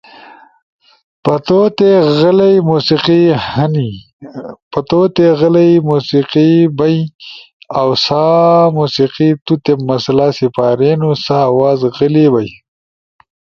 پتوتے غلئی موسیقی بئی۔ اؤ سا موسیقی توتے مسئلہ سپارینُو سا آواز غلے بئی۔